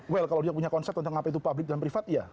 well kalau dia punya konsep tentang apa itu pabrik dan privat iya